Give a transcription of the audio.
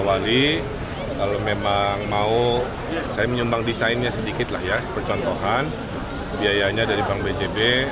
wali kalau memang mau saya menyumbang desainnya sedikitlah ya percontohan biayanya dari bank bjb